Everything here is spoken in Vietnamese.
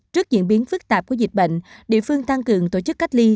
trước diễn biến phức tạp của dịch bệnh địa phương tăng cường tổ chức cách ly